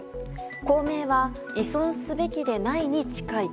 公明は、依存すべきでないに近い。